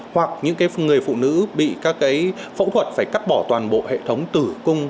hoặc những người phụ nữ bị các cái phẫu thuật phải cắt bỏ toàn bộ hệ thống tử cung